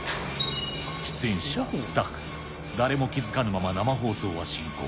出演者、スタッフ、誰も気付かぬまま生放送は進行。